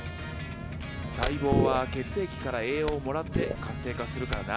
細胞は血液から栄養をもらって活性化するからな。